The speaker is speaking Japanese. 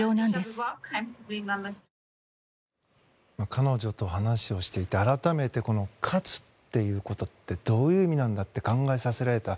彼女と話をしていて改めて、勝つっていうことってどういう意味なんだって考えさせられた。